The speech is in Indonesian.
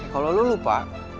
kalau lo lupa